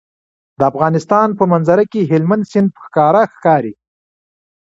د افغانستان په منظره کې هلمند سیند په ښکاره ښکاري.